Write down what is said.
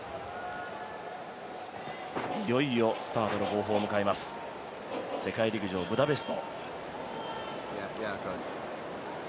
いよいよスタートの号砲を迎えます、世界陸上ブダペスト。